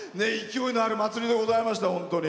勢いのある「まつり」でございました。